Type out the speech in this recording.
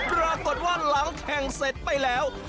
ปรากฏว่าหลังแข่งเสร็จไปแล้ว